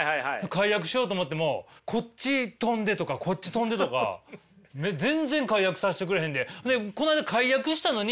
解約しようと思ってもこっち飛んでとかこっち飛んでとか全然解約させてくれへんで。